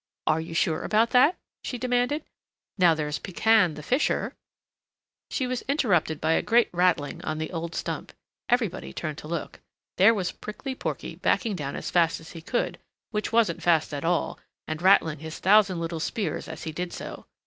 "Are you sure about that?" she demanded. "Now there's Pekan the Fisher " She was interrupted by a great rattling on the old stump. Everybody turned to look. There was Prickly Porky backing down as fast as he could, which wasn't fast at all, and rattling his thousand little spears as he did so.